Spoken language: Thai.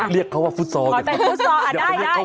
เรียกเขาว่าฟุตซอลเลยครับ